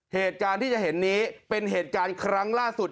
เหตุการณ์ที่จะเห็นนี้เป็นเหตุการณ์ครั้งล่าสุด